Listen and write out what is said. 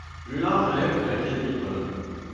Lullin relève de l'académie de Grenoble.